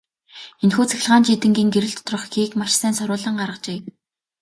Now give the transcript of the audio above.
Энэхүү цахилгаан чийдэнгийн шилэн доторх хийг маш сайн соруулан гаргажээ.